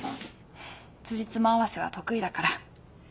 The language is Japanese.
ふっつじつま合わせは得意だから。